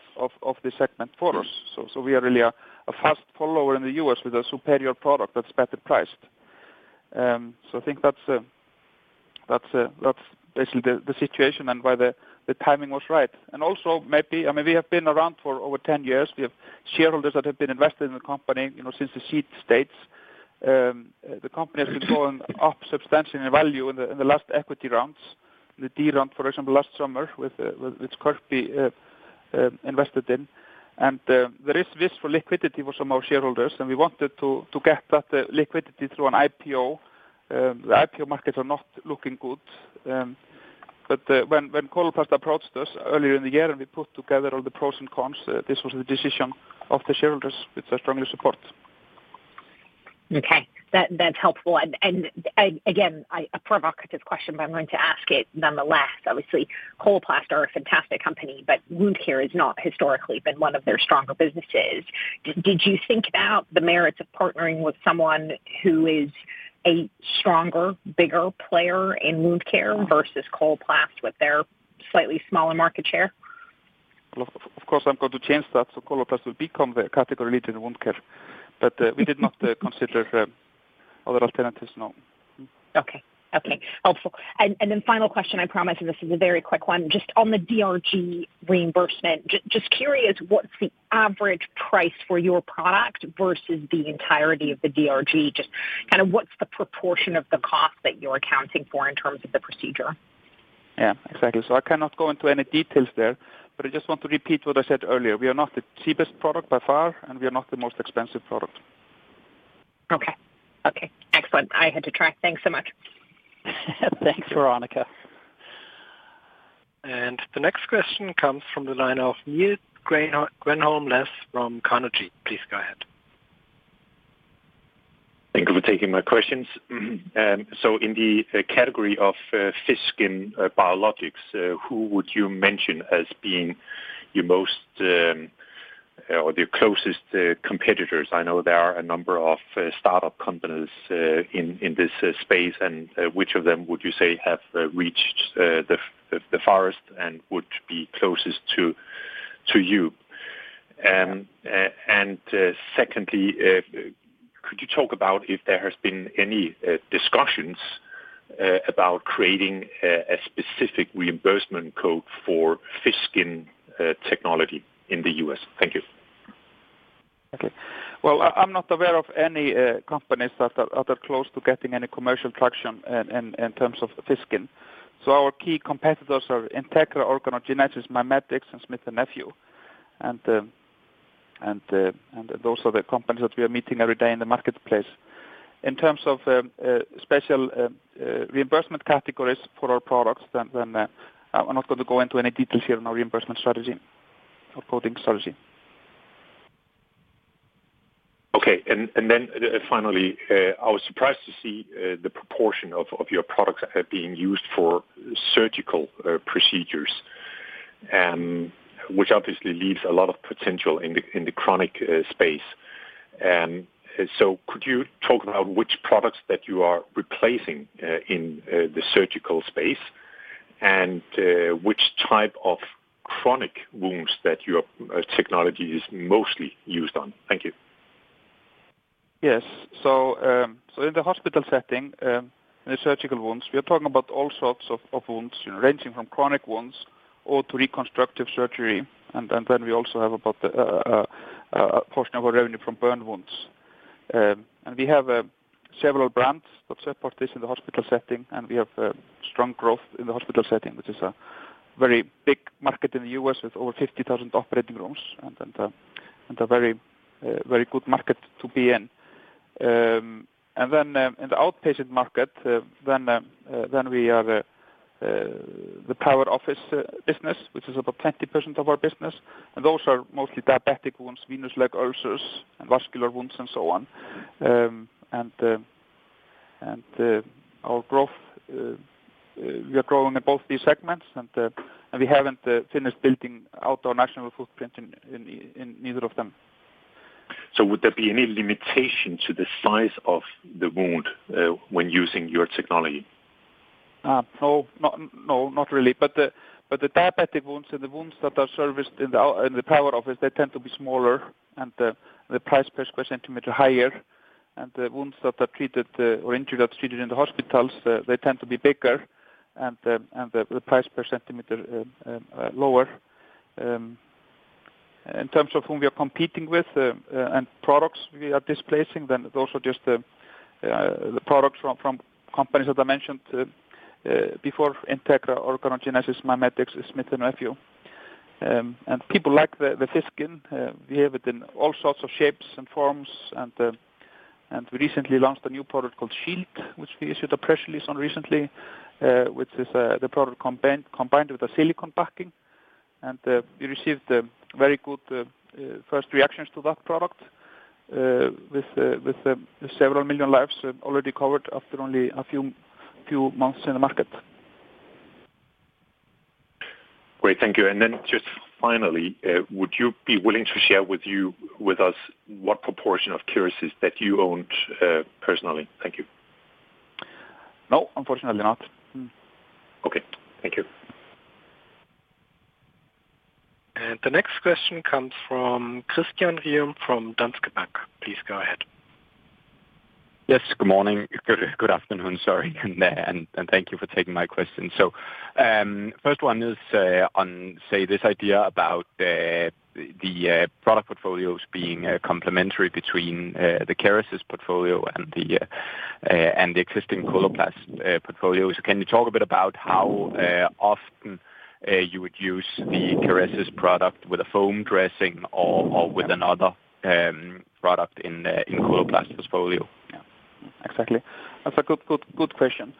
this segment for us. So we are really a fast follower in the U.S. with a superior product that's better priced. So I think that's basically the situation and why the timing was right. And also, maybe, I mean, we have been around for over 10 years. We have shareholders that have been invested in the company, you know, since the seed stage. The company has been going up substantially in value in the last equity rounds, the D round, for example, last summer, with which KIRKBI invested in. And there is wish for liquidity for some of our shareholders, and we wanted to get that liquidity through an IPO. The IPO markets are not looking good, but when Coloplast approached us earlier in the year and we put together all the pros and cons, this was the decision of the shareholders, which I strongly support. Okay. That's helpful. And again, a provocative question, but I'm going to ask it nonetheless. Obviously, Coloplast are a fantastic company, but wound care is not historically been one of their stronger businesses. Did you think about the merits of partnering with someone who is a stronger, bigger player in wound care versus Coloplast, with their slightly smaller market share? Of course, I'm going to change that, so Coloplast will become the category lead in wound care. But, we did not consider other alternatives, no. Okay. Okay, helpful. And then final question, I promise you, this is a very quick one. Just on the DRG reimbursement, just curious, what's the average price for your product versus the entirety of the DRG? Just kind of what's the proportion of the cost that you're accounting for in terms of the procedure? Yeah, exactly. So I cannot go into any details there, but I just want to repeat what I said earlier. We are not the cheapest product by far, and we are not the most expensive product. Okay. Okay, excellent. I had to track. Thanks so much. Thanks, Veronica. And the next question comes from the line of Niels Granholm-Leth from Carnegie. Please go ahead. Thank you for taking my questions. So in the category of fish skin biologics, who would you mention as being your most or your closest competitors? I know there are a number of startup companies in this space, and which of them would you say have reached the farthest and would be closest to you? Secondly, could you talk about if there has been any discussions about creating a specific reimbursement code for fish skin technology in the U.S.? Thank you. Okay. Well, I'm not aware of any companies that are close to getting any commercial traction in terms of fish skin. So our key competitors are Integra, Organogenesis, MiMedx, and Smith & Nephew. And those are the companies that we are meeting every day in the marketplace. In terms of special reimbursement categories for our products, then I'm not going to go into any details here in our reimbursement strategy or coding strategy. Okay. And then, finally, I was surprised to see the proportion of your products are being used for surgical procedures, which obviously leaves a lot of potential in the chronic space. So could you talk about which products that you are replacing in the surgical space, and which type of chronic wounds that your technology is mostly used on? Thank you. Yes. So in the hospital setting, in the surgical wounds, we are talking about all sorts of wounds, you know, ranging from chronic wounds to reconstructive surgery. Then we also have about a portion of our revenue from burn wounds. And we have several brands that support this in the hospital setting, and we have strong growth in the hospital setting, which is a very big market in the U.S. with over 50,000 operating rooms and a very good market to be in. And then in the outpatient market, we are the post-acute business, which is about 20% of our business, and those are mostly diabetic wounds, venous leg ulcers, and vascular wounds, and so on. And our growth, we are growing in both these segments, and we haven't finished building out our national footprint in neither of them. Would there be any limitation to the size of the wound, when using your technology? No, not really. But the diabetic wounds and the wounds that are serviced in the outpatient office, they tend to be smaller, and the price per centimeter higher. And the wounds that are treated or injury that's treated in the hospitals, they tend to be bigger, and the price per centimeter lower. In terms of whom we are competing with and products we are displacing, those are just the products from companies that I mentioned before, Integra, Organogenesis, MiMedx, Smith & Nephew. And people like the fish skin. We have it in all sorts of shapes and forms, and we recently launched a new product called Shield, which we issued a press release on recently, which is the product combined with a silicone backing. We received very good first reactions to that product, with several million lives already covered after only a few months in the market. Great. Thank you. And then just finally, would you be willing to share with us what proportion of Kerecis that you own, personally? Thank you. No, unfortunately not. Okay. Thank you. The next question comes from Christian Ryom from Danske Bank. Please go ahead. Yes, good morning. Good afternoon, sorry, and thank you for taking my question. So, first one is on, say, this idea about the product portfolios being complementary between the Kerecis portfolio and the existing Coloplast portfolio. So can you talk a bit about how often you would use the Kerecis product with a foam dressing or with another product in Coloplast portfolio? Yeah, exactly. That's a good, good, good question.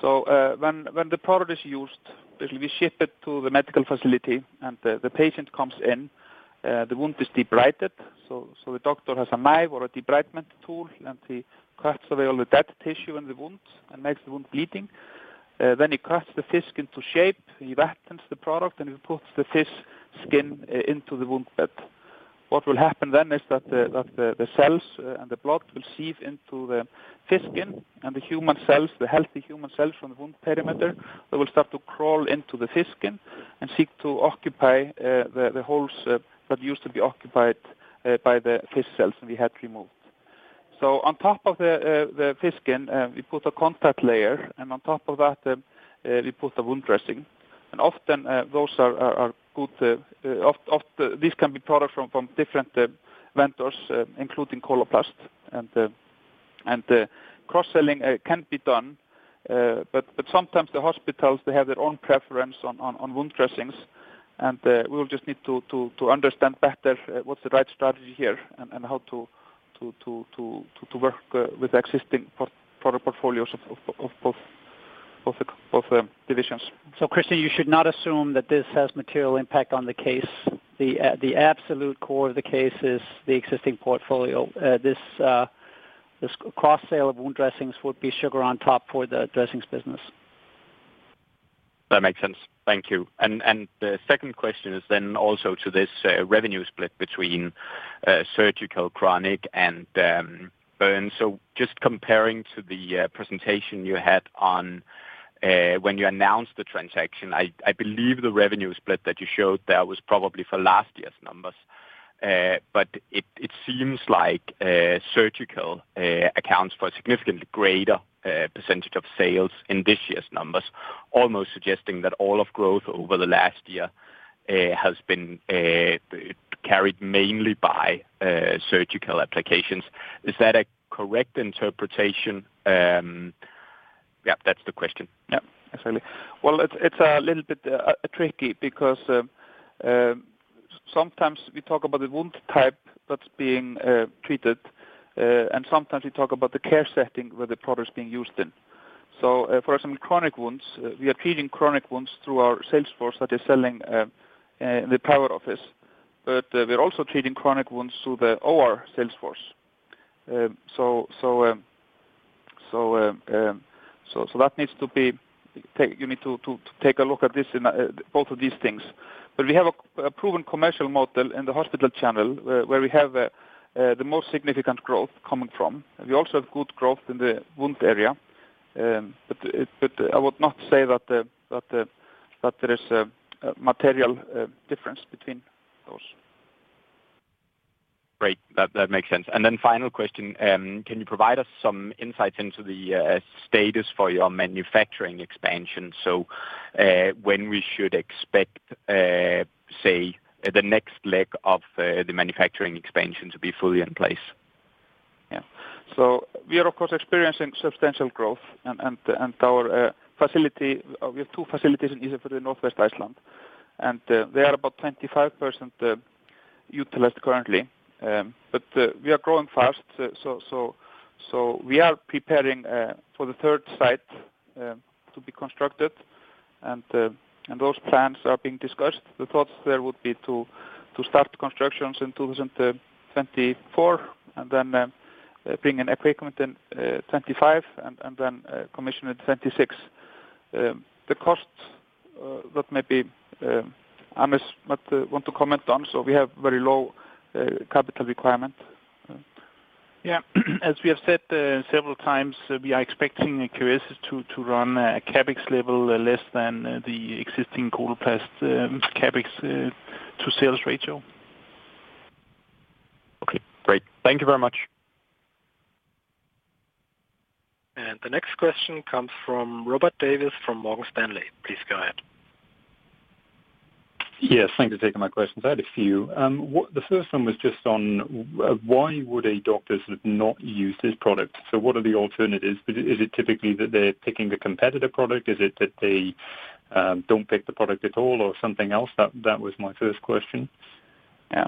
So, when the product is used, it will be shipped to the medical facility, and the patient comes in, the wound is debrided. So, the doctor has a knife or a debridement tool, and he cuts away all the dead tissue in the wound and makes the wound bleeding. Then he cuts the fish skin to shape, he vacuums the product, and he puts the fish skin into the wound bed. What will happen then is that the cells and the blood will seep into the fish skin and the human cells, the healthy human cells from the wound perimeter, they will start to crawl into the fish skin and seek to occupy the holes that used to be occupied by the fish cells that we had removed. So on top of the fish skin, we put a contact layer, and on top of that, we put the wound dressing. And often, those are good. Often these can be products from different vendors, including Coloplast. And the cross-selling can be done, but sometimes the hospitals, they have their own preference on wound dressings, and we will just need to understand better what's the right strategy here and how to work with existing product portfolios of both the divisions. So Christian, you should not assume that this has material impact on the case. The absolute core of the case is the existing portfolio. This cross sale of wound dressings would be sugar on top for the dressings business. That makes sense. Thank you. The second question is then also to this revenue split between surgical, chronic, and burn. So just comparing to the presentation you had on when you announced the transaction, I believe the revenue split that you showed there was probably for last year's numbers. But it seems like surgical accounts for a significantly greater percentage of sales in this year's numbers. Almost suggesting that all of growth over the last year has been carried mainly by surgical applications. Is that a correct interpretation? Yeah, that's the question. Yeah, absolutely. Well, it's, it's a little bit tricky because sometimes we talk about the wound type that's being treated, and sometimes we talk about the care setting where the product is being used in. So, for some chronic wounds, we are treating chronic wounds through our sales force that is selling the private office. But we're also treating chronic wounds through the OR sales force. So that needs to be – you need to take a look at this in both of these things. But we have a proven commercial model in the hospital channel, where we have the most significant growth coming from. We also have good growth in the wound area. But I would not say that there is a material difference between those. Great. That, that makes sense. And then final question, can you provide us some insights into the status for your manufacturing expansion? So, when we should expect, say, the next leg of the manufacturing expansion to be fully in place? Yeah. So we are, of course, experiencing substantial growth and our facility, we have two facilities in Ísafjörður, northwest Iceland, and they are about 25% utilized currently. But we are growing fast. So we are preparing for the third site to be constructed, and those plans are being discussed. The thoughts there would be to start construction in 2024, and then bring in equipment in 2025 and then commission in 2026. The cost, that may be, Anders might want to comment on, so we have very low capital requirement. Yeah. As we have said several times, we are expecting Kerecis to run a CapEx level less than the existing Coloplast's CapEx to sales ratio. Okay, great. Thank you very much. The next question comes from Robert Davis from Morgan Stanley. Please go ahead. Yes, thanks for taking my questions. I had a few. The first one was just on why would a doctor sort of not use this product? So what are the alternatives? Is it typically that they're picking a competitor product? Is it that they don't pick the product at all or something else? That was my first question. Yeah.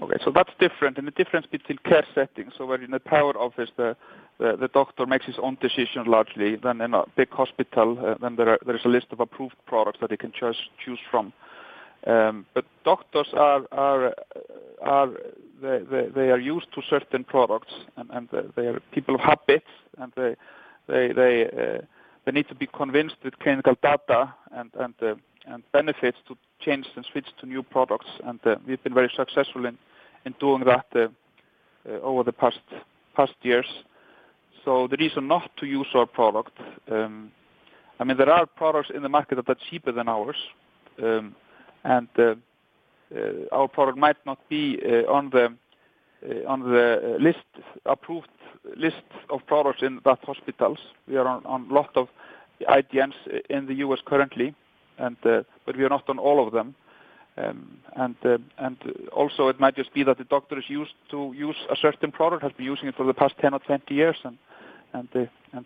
Okay, so that's different, and the difference between care settings. So where in the private office, the doctor makes his own decision largely than in a big hospital, then there is a list of approved products that he can choose from. But doctors are used to certain products, and they are people of habits, and they need to be convinced with clinical data and benefits to change and switch to new products. And we've been very successful in doing that over the past years. So the reason not to use our product, I mean, there are products in the market that are cheaper than ours. Our product might not be on the approved list of products in that hospitals. We are on a lot of IDNs in the U.S. currently, and but we are not on all of them. Also, it might just be that the doctor is used to use a certain product, has been using it for the past 10 or 20 years, and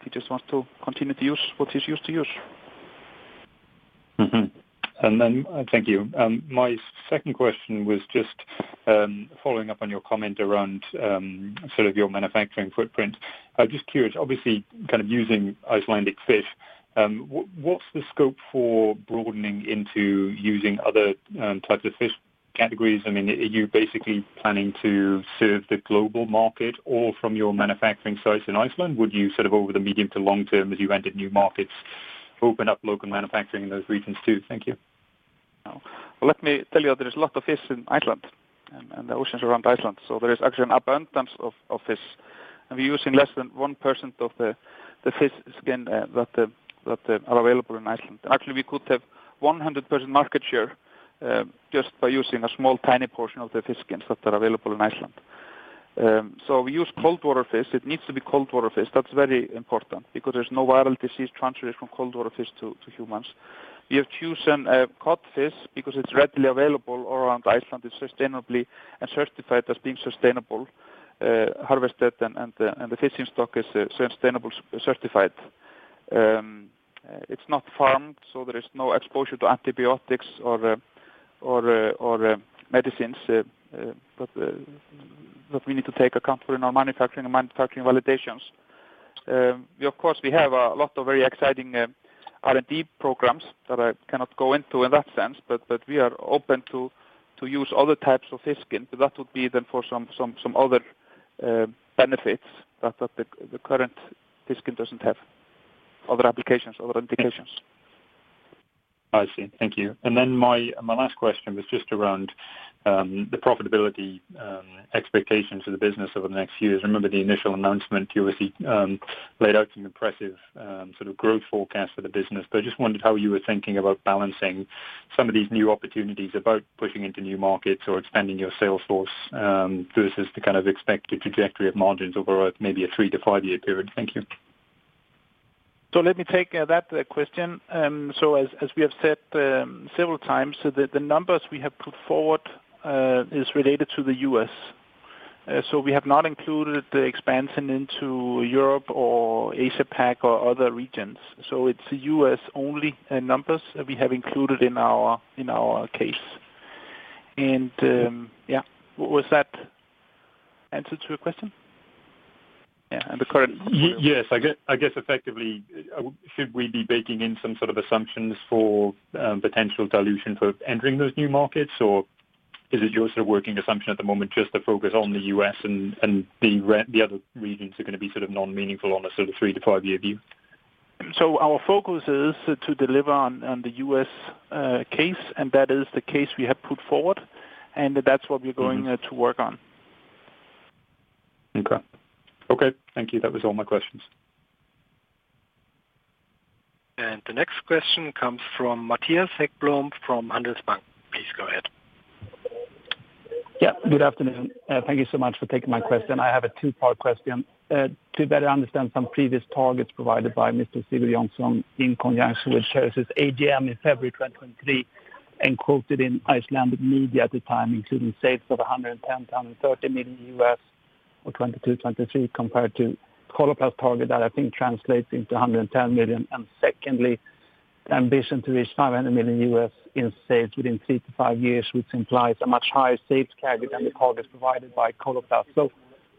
he just wants to continue to use what he's used to use. Mm-hmm. And then thank you. My second question was just, following up on your comment around, sort of your manufacturing footprint. I'm just curious, obviously, kind of using Icelandic fish, what's the scope for broadening into using other, types of fish categories? I mean, are you basically planning to serve the global market or from your manufacturing site in Iceland, would you sort of over the medium to long term as you entered new markets, open up local manufacturing in those regions, too? Thank you. Well, let me tell you that there's a lot of fish in Iceland and the oceans around Iceland, so there is actually an abundance of fish. And we're using less than 1% of the fish skin that are available in Iceland. Actually, we could have 100% market share just by using a small, tiny portion of the fish skins that are available in Iceland. So we use cold water fish. It needs to be cold water fish. That's very important because there's no viral disease transferred from cold water fish to humans. We have chosen cod fish because it's readily available around Iceland. It's sustainably and certified as being sustainable harvested, and the fishing stock is sustainable certified. It's not farmed, so there is no exposure to antibiotics or... or medicines that we need to take account for in our manufacturing and manufacturing validations. We of course have a lot of very exciting R&D programs that I cannot go into in that sense, but we are open to use other types of fish skin. But that would be then for some other benefits that the current fish skin doesn't have. Other applications, other indications. I see. Thank you. And then my, my last question was just around the profitability expectations for the business over the next few years. I remember the initial announcement, you obviously laid out some impressive sort of growth forecast for the business. But I just wondered how you were thinking about balancing some of these new opportunities, about pushing into new markets or expanding your sales force, versus the kind of expected trajectory of margins over maybe a 3-5 year period. Thank you. So let me take that question. So as we have said several times, so the numbers we have put forward is related to the U.S. So we have not included the expansion into Europe or Asia Pac or other regions. So it's U.S. only numbers that we have included in our case. And yeah. Was that answer to your question? Yeah, and the current- Yes, I guess, I guess effectively, should we be baking in some sort of assumptions for potential dilution for entering those new markets? Or is it your sort of working assumption at the moment, just to focus on the U.S. and the other regions are gonna be sort of non-meaningful on a sort of 3-5 year view? So our focus is to deliver on the U.S. case, and that is the case we have put forward, and that's what we're going- Mm-hmm. to work on. Okay. Okay, thank you. That was all my questions. The next question comes from Mattias Häggblom, from Handelsbanken. Please go ahead. Yeah, good afternoon. Thank you so much for taking my question. I have a two-part question. To better understand some previous targets provided by Mr. Sigurjonsson in conjunction with Kerecis's AGM in February 2023, and quoted in Icelandic media at the time, including sales of $110 million and $30 million for 2022-2023, compared to Coloplast target that I think translates into $110 million. And secondly, the ambition to reach $500 million in sales within three to five years, which implies a much higher sales category than the targets provided by Coloplast. So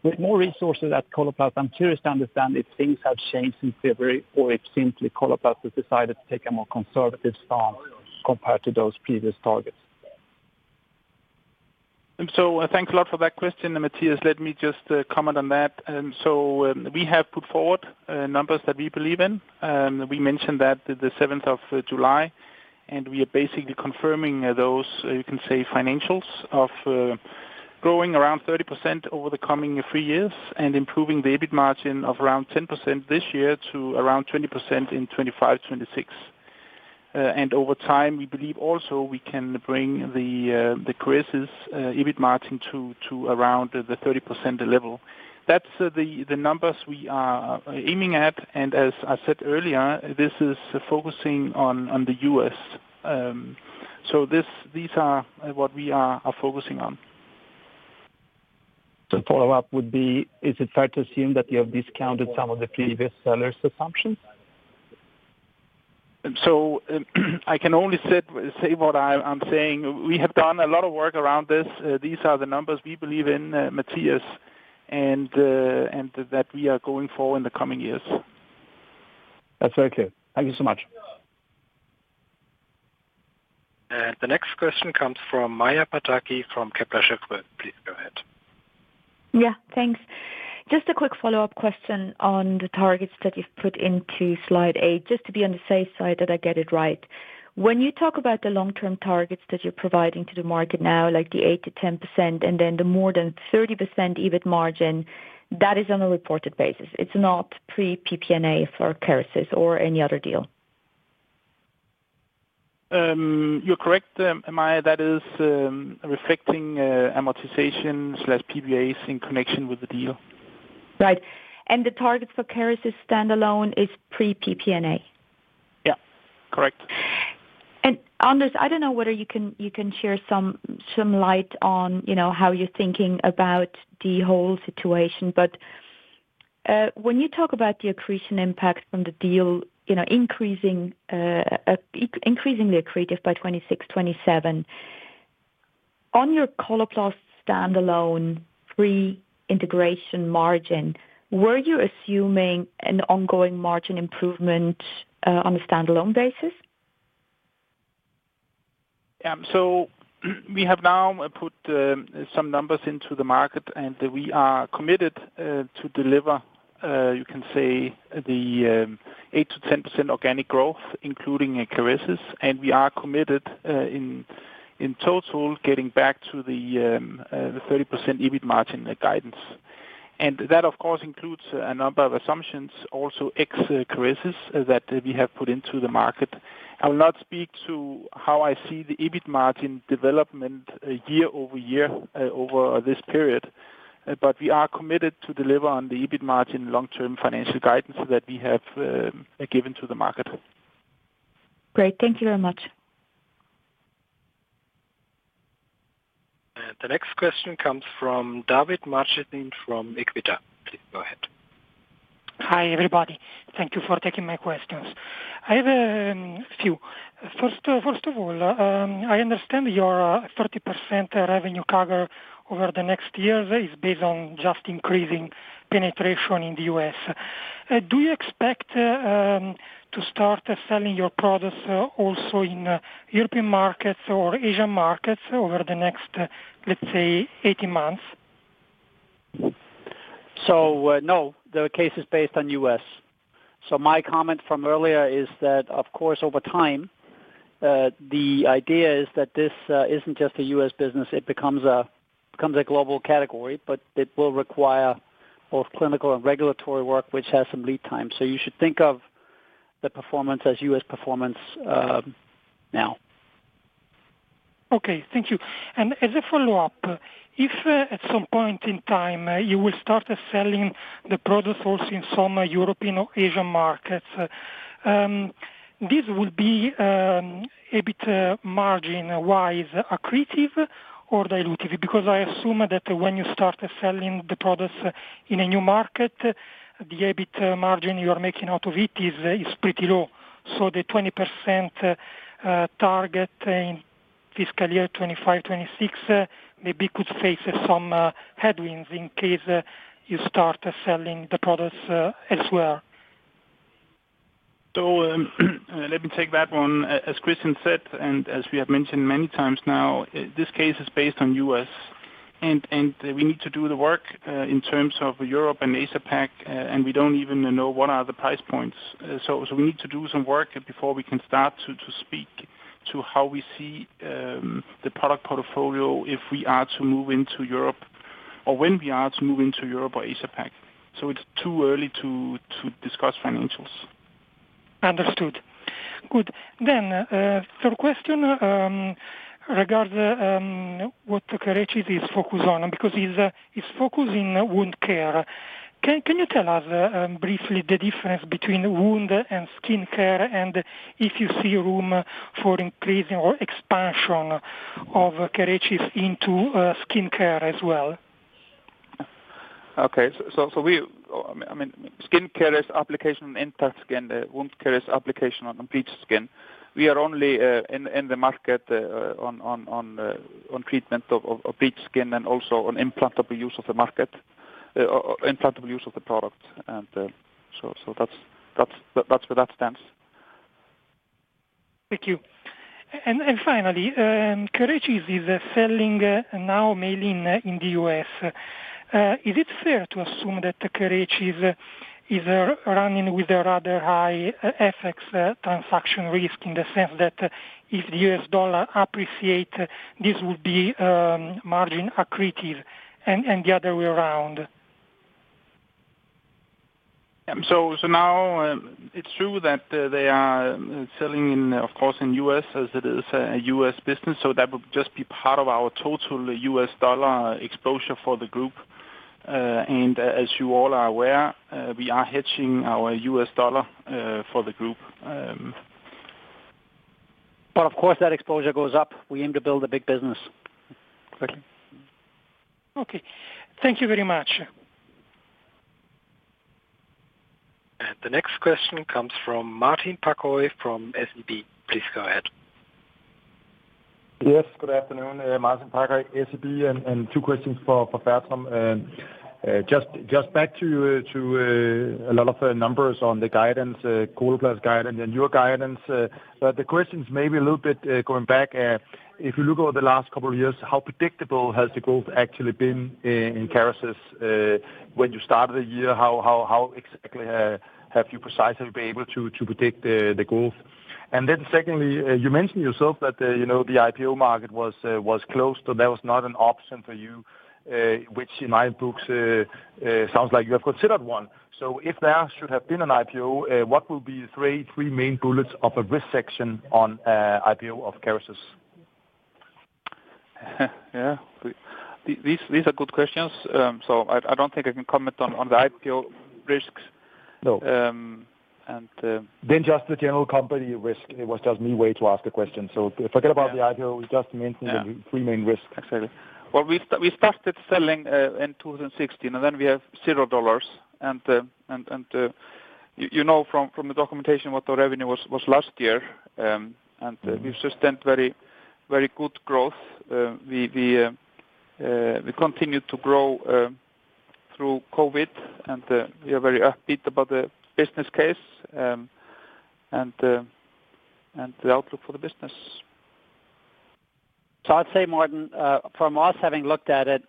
with more resources at Coloplast, I'm curious to understand if things have changed since February or if simply Coloplast has decided to take a more conservative stance compared to those previous targets. So thanks a lot for that question, Mattias. Let me just comment on that. So, we have put forward numbers that we believe in. We mentioned that the seventh of July, and we are basically confirming those, you can say, financials of growing around 30% over the coming three years and improving the EBIT margin of around 10% this year, to around 20% in 2025, 2026. And over time, we believe also we can bring the Kerecis EBIT margin to around the 30% level. That's the numbers we are aiming at, and as I said earlier, this is focusing on the U.S. These are what we are focusing on. The follow-up would be: Is it fair to assume that you have discounted some of the previous sellers' assumptions? So, I can only say what I'm saying. We have done a lot of work around this. These are the numbers we believe in, Mattias, and that we are going for in the coming years. That's very clear. Thank you so much. The next question comes from Maja Pataki, from Kepler Cheuvreux. Please go ahead. Yeah, thanks. Just a quick follow-up question on the targets that you've put into slide A, just to be on the safe side that I get it right. When you talk about the long-term targets that you're providing to the market now, like the 8%-10% and then the more than 30% EBIT margin, that is on a reported basis. It's not pre-PPA for Kerecis or any other deal. You're correct, Maja, that is reflecting amortization/PPAs in connection with the deal. Right. And the target for Kerecis standalone is pre PPA? Yeah, correct. Anders, I don't know whether you can share some light on, you know, how you're thinking about the whole situation, but when you talk about the accretion impacts from the deal, you know, increasing the accretive by 26-27. On your Coloplast standalone pre-integration margin, were you assuming an ongoing margin improvement on a standalone basis? So we have now put some numbers into the market, and we are committed to deliver you can say the 8%-10% organic growth, including Kerecis, and we are committed in total getting back to the 30% EBIT margin, the guidance. And that, of course, includes a number of assumptions, also ex Kerecis, that we have put into the market. I will not speak to how I see the EBIT margin development year-over-year over this period, but we are committed to deliver on the EBIT margin long-term financial guidance that we have given to the market. Great. Thank you very much. The next question comes from Davide Marchesin from Equita. Please go ahead. Hi, everybody. Thank you for taking my questions. I have a few. First, first of all, I understand your 30% revenue CAGR over the next years is based on just increasing penetration in the U.S. Do you expect to start selling your products also in European markets or Asian markets over the next, let's say, 18 months? So, no, the case is based on U.S. So my comment from earlier is that, of course, over time, the idea is that this isn't just a U.S. business, it becomes a, becomes a global category, but it will require both clinical and regulatory work, which has some lead time. So you should think of the performance as U.S. performance, now. Okay, thank you. And as a follow-up, if, at some point in time, you will start selling the product also in some European or Asian markets, this will be, EBIT, margin-wise accretive or dilutive? Because I assume that when you start selling the products in a new market, the EBIT, margin you are making out of it is, is pretty low. So the 20% target in fiscal year 2025, 2026, maybe could face some, headwinds in case, you start selling the products, elsewhere. So, let me take that one. As Kristian said, and as we have mentioned many times now, this case is based on U.S., and we need to do the work in terms of Europe and Asia Pac, and we don't even know what are the price points. So we need to do some work before we can start to speak to how we see the product portfolio if we are to move into Europe, or when we are to move into Europe or Asia Pac. So it's too early to discuss financials. Understood. Good. Then, third question regards what Kerecis is focused on, because it's focused in wound care. Can you tell us briefly the difference between wound and skin care, and if you see room for increasing or expansion of Kerecis into skin care as well? Okay. So we, I mean, skin care is application on intact skin, wound care is application on bleached skin. We are only in the market on treatment of bleached skin and also on implantable use of the market, implantable use of the product. And so that's where that stands. Thank you. And finally, Kerecis is selling now mainly in the U.S. Is it fair to assume that Kerecis is running with a rather high FX transaction risk, in the sense that if the U.S. dollar appreciate, this would be margin accretive and the other way around? So now, it's true that they are selling in, of course, in U.S., as it is a U.S. business, so that would just be part of our total U.S. dollar exposure for the group. And as you all are aware, we are hedging our U.S. dollar for the group. But of course, that exposure goes up. We aim to build a big business. Exactly. Okay. Thank you very much. The next question comes from Martin Parkhøi from SEB. Please go ahead. Yes, good afternoon. Martin Parkhøi, SEB, and two questions for Fertram. Just back to a lot of the numbers on the guidance, Coloplast guidance and your guidance. But the question is maybe a little bit going back. If you look over the last couple of years, how predictable has the growth actually been in Kerecis? When you started the year, how exactly have you precisely been able to predict the growth? And then secondly, you mentioned yourself that, you know, the IPO market was closed, so that was not an option for you, which in my books sounds like you have considered one. If there should have been an IPO, what will be three main bullets of a risk section on an IPO of Kerecis? Yeah. These are good questions. So I don't think I can comment on the IPO risks. No. Um, and, uh- Then just the general company risk. It was just my way to ask a question. So forget about the IPO. Yeah. Just maintain the three main risks. Exactly. Well, we started selling in 2016, and then we have $0. You know from the documentation what the revenue was last year. We've sustained very, very good growth. We continued to grow through COVID, and we are very upbeat about the business case, and the outlook for the business. So I'd say, Martin, from us having looked at it,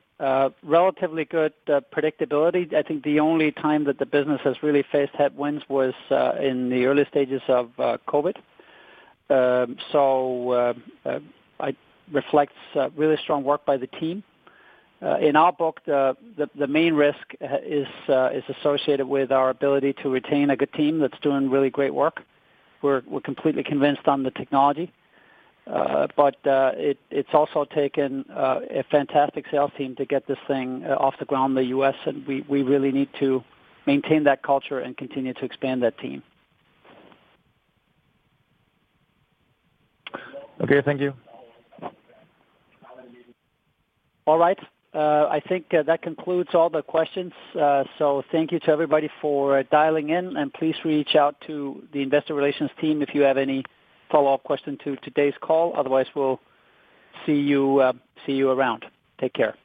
relatively good predictability. I think the only time that the business has really faced headwinds was in the early stages of COVID. It reflects really strong work by the team. In our book, the main risk is associated with our ability to retain a good team that's doing really great work. We're completely convinced on the technology, but it's also taken a fantastic sales team to get this thing off the ground in the U.S., and we really need to maintain that culture and continue to expand that team. Okay. Thank you. All right. I think that concludes all the questions. So thank you to everybody for dialing in, and please reach out to the investor relations team if you have any follow-up questions to today's call. Otherwise, we'll see you, see you around. Take care.